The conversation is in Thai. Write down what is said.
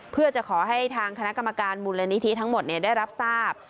เพื่อจะขอให้ทางคณะกรรมการมูลนิธิทั้งหมดได้รับทราบ